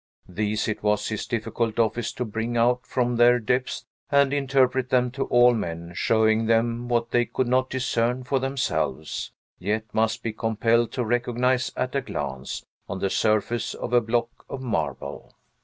These it was his difficult office to bring out from their depths, and interpret them to all men, showing them what they could not discern for themselves, yet must be compelled to recognize at a glance, on the surface of a block of marble.